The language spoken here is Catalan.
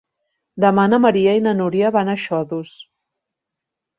Demà na Maria i na Núria van a Xodos.